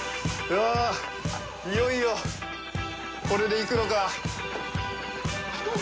あぁ、いよいよこれで行くのかぁ。